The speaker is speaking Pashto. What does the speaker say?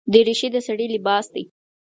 دریشي د سړي لباس دی.